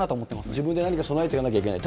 自分で何か備えておかなきゃいけない。